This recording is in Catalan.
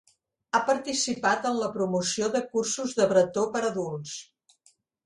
Ha participat en la promoció de cursos de bretó per a adults.